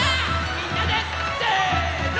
みんなでせの！